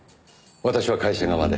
私は会社側で。